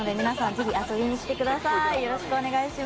ぜひ遊びに来てください。